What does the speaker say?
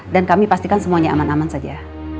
dan kami pastikan semuanya aman aman saja